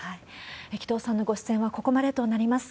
紀藤さんのご出演はここまでとなります。